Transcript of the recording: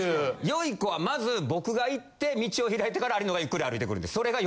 よゐこはまず僕が行って道を開いてから有野がゆっくり歩いてくるんですそれが